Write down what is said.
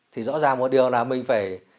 thì rõ ràng một điều là mình phải